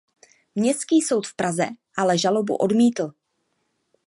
Městský soud v Praze ale žalobu odmítl.